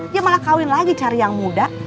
dia malah kawin lagi cari yang muda